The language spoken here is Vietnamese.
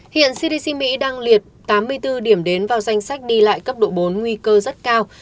hiện cdc mỹ đang liệt tám mươi bốn điểm đến vào danh sách đi lại cấp độ bốn nguy cơ rất cao